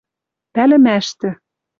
Пӓлӹмӓштӹ